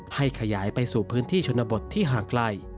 ขยายไปสู่พื้นที่ชนบทที่ห่างไกล